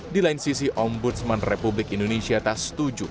di lain sisi ombudsman republik indonesia tak setuju